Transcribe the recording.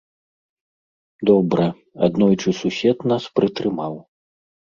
Добра, аднойчы сусед нас прытрымаў.